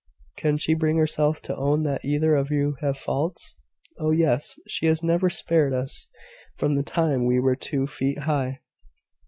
Can she bring herself to own that either of you have faults?" "Oh, yes: she has never spared us, from the time we were two feet high."